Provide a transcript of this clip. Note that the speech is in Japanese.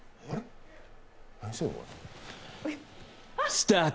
スタート！